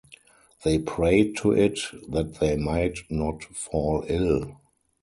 They prayed to it that they might not fall ill.